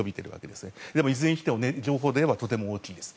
でもいずれにしても情報はとても大きいです。